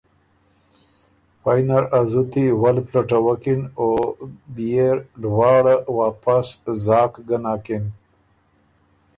پئ نر ا زُتی ول پلټوکِن او بيې ر لواړه واپس زاک ګۀ نکِن۔